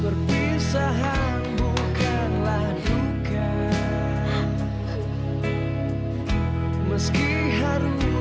berbicara hasta berasa melukisan dulu